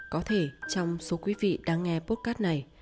có thể trong số quý vị đang nghe potcat này